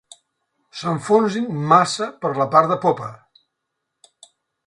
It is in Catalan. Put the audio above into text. S'enfonsin massa per la part de popa.